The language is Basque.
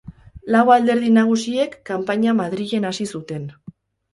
Lau alderdi nagusiek kanpaina Madrilen hasi zuten.